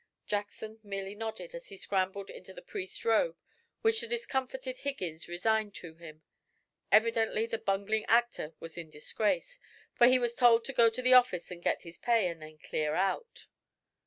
Jackson merely nodded as he scrambled into the priest's robe which the discomfited Higgins resigned to him. Evidently the bungling actor was in disgrace, for he was told to go to the office and get his pay and then "clear out."